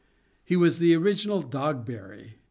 He was the original Dogberry.